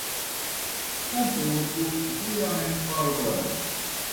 Kunportu vian parton!